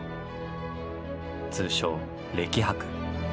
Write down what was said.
通称「歴博」。